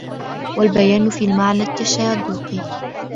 وَالْبَيَانُ فِي مَعْنَى التَّشَادُقِ